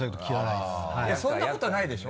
いやそんなことないでしょ？